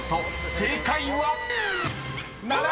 ［正解は⁉］